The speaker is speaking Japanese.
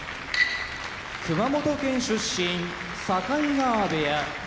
熊本県出身境川部屋